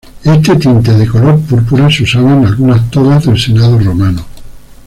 Este tinte de color púrpura se usaba en algunas togas del Senado romano.